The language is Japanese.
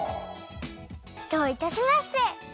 どういたしまして！